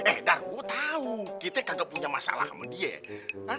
eh dah gua tahu kita nggak punya masalah sama dia